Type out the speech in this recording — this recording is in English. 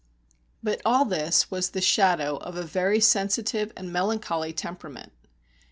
But all this was the shadow of a very sensitive and melancholy temperament.